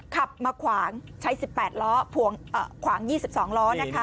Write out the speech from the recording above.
ขับมาขวางใช้๑๘ล้อขวาง๒๒ล้อนะคะ